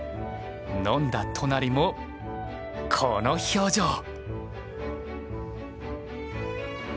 飲んだ都成もこの表情。